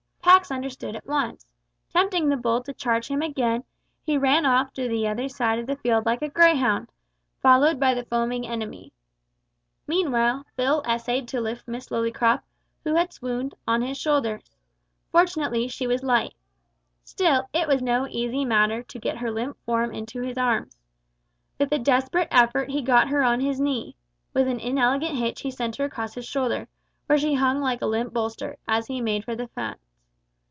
Pax understood at once. Tempting the bull to charge him again, he ran off to the other side of the field like a greyhound, followed by the foaming enemy. Meanwhile Phil essayed to lift Miss Lillycrop, who had swooned, on his shoulders. Fortunately she was light. Still, it was no easy matter to get her limp form into his arms. With a desperate effort he got her on his knee; with an inelegant hitch he sent her across his shoulder, where she hung like a limp bolster, as he made for the fence.